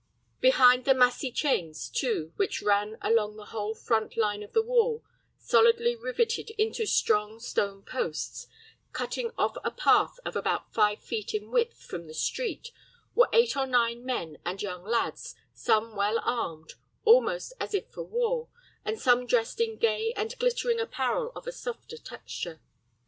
Behind the massy chains, too, which ran along the whole front line of the wall, solidly riveted into strong stone posts, cutting off a path of about five feet in width from the street, were eight or nine men and young lads, some well armed, almost as if for war, and some dressed in gay and glittering apparel of a softer texture.